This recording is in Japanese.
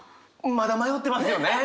まだ迷ってますよね。